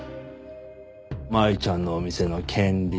舞ちゃんのお店の権利書。